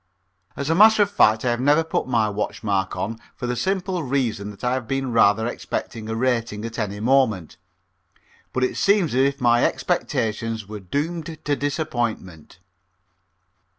As a matter of fact I have never put my watch mark on, for the simple reason that I have been rather expecting a rating at any moment, but it seems as if my expectations were doomed to disappointment.